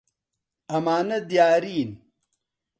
ئەمانە دیارین.